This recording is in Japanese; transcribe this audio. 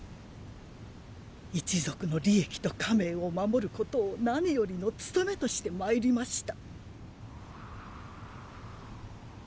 一族の利益と家名を守ることを何よりの務めとしてまいりました。